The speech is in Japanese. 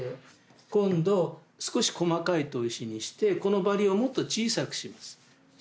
今度少し細かい砥石にしてこのバリをもっと小さくします。